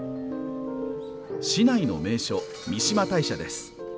市内の名所、三嶋大社です。